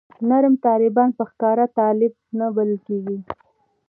نرم طالبان په ښکاره طالب نه بلل کېږي.